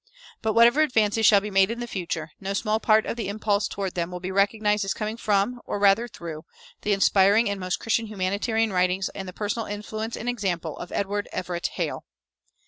[386:1] But whatever advances shall be made in the future, no small part of the impulse toward them will be recognized as coming from, or rather through, the inspiring and most Christian humanitarian writings and the personal influence and example of Edward Everett Hale.